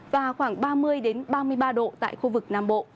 và khoảng ba mươi đến ba mươi ba độ tại khu vực